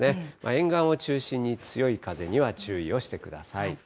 沿岸を中心に強い風には注意をしてください。